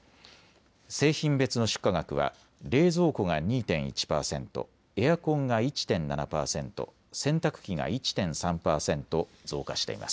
製品別の出荷額は冷蔵庫が２．１％、エアコンが１．７％、洗濯機が１．３％増加しています。